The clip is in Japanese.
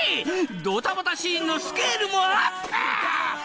ドタバタシーンのスケールもアップ！